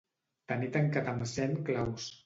Tenir tancat amb cent claus.